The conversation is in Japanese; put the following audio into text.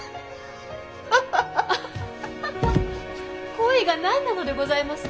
鯉が何なのでございますか？